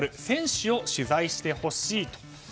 選手を取材してほしいと。